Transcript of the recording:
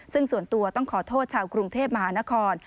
ซึ่งส่วนตัวต้องขอโทษชาวกรุงเทพมหานคร